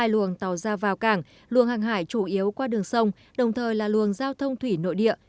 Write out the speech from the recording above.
hai luồng tàu ra vào cảng luồng hàng hải chủ yếu qua đường sông đồng thời là luồng giao thông thủy nội địa